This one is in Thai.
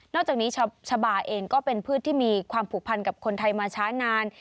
จากนี้ชาบาเองก็เป็นพืชที่มีความผูกพันกับคนไทยมาช้านาน